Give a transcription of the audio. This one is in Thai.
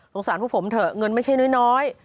สารพวกผมเถอะเงินไม่ใช่น้อย